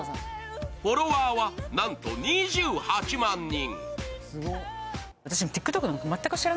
フォロワーはなんと２８万人。